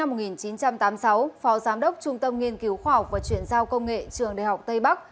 đào hữu bính sinh năm một nghìn chín trăm tám mươi sáu phó giám đốc trung tâm nghiên cứu khoa học và chuyển giao công nghệ trường đại học tây bắc